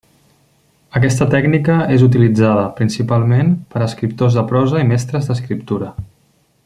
Aquesta tècnica és utilitzada, principalment, per escriptors de prosa i mestres d'escriptura.